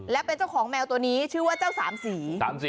และเป็นเจ้าของแมวตัวนี้ชื่อว่าเจ้าสามสี